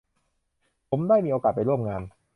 ผมได้มีโอกาสไปร่วมงาน